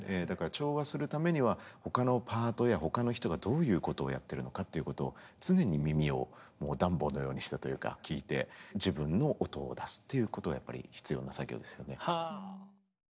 だから調和するためには他のパートや他の人がどういうことをやってるのかっていうことを常に耳をダンボのようにしてというか聴いて自分の音を出すっていうことはやっぱり必要な作業ですよね。